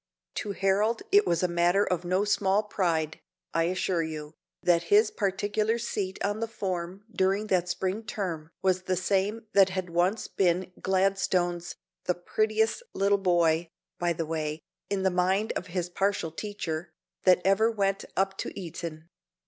To Harold it was a matter of no small pride, I assure you, that his particular seat on the form during that spring term was the same that had once been Gladstone's "the prettiest little boy," by the way, in the mind of his partial teacher, that ever went up to Eton.